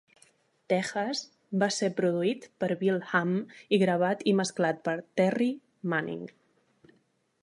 "Tejas" Va ser produït per Bill Ham i gravat i mesclat per Terry Manning.